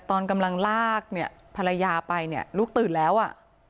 ตอนกำลังลากเนี่ยภรรยาไปเนี่ยลูกตื่นแล้วอ่ะ